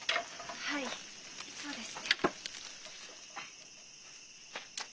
はいそうですね。